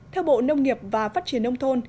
theo bộ nông nghiệp và phóng viên